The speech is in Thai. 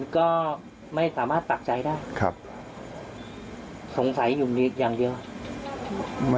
ค่ะ